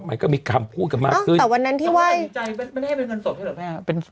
ไม่ได้ให้มาเงินไศน์สมบัตย์ไหร่ไหม